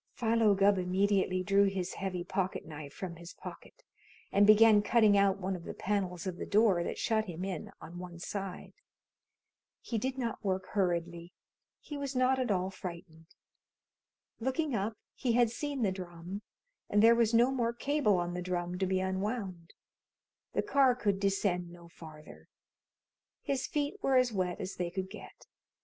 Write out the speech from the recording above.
Philo Gubb immediately drew his heavy pocket knife from his pocket and began cutting out one of the panels of the door that shut him in on one side. He did not work hurriedly. He was not at all frightened. Looking up, he had seen the drum, and there was no more cable on the drum to be unwound. The car could descend no farther. His feet were as wet as they could get.